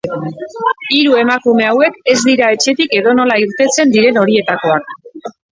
Hiru emakume hauek ez dira etxetik edonola irtetzen diren horietakoak.